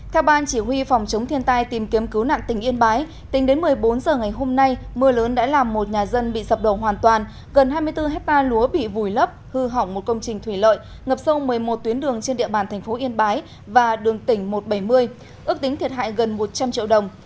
theo ban chỉ huy phòng chống thiên tai tìm kiếm cứu nạn tỉnh yên bái tính đến một mươi bốn h ngày hôm nay mưa lớn đã làm một nhà dân bị sập đổ hoàn toàn gần hai mươi bốn hectare lúa bị vùi lấp hư hỏng một công trình thủy lợi ngập sâu một mươi một tuyến đường trên địa bàn thành phố yên bái và đường tỉnh một trăm bảy mươi ước tính thiệt hại gần một trăm linh triệu đồng